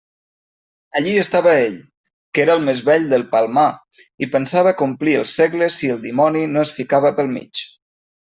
Allí estava ell, que era el més vell del Palmar, i pensava complir el segle si el dimoni no es ficava pel mig.